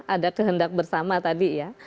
ada kehendak bersama tadi ya